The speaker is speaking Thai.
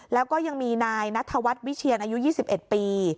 แล้วก็ยังมีนายนัทวัฒน์วิเชียนอายุ๒๑ปี